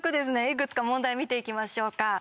いくつか問題を見ていきましょうか。